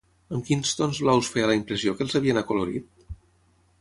Amb quins tons blaus feia la impressió que els havien acolorit?